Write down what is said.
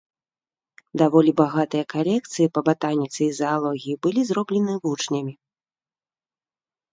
Даволі багатыя калекцыі па батаніцы і заалогіі былі зроблены вучнямі.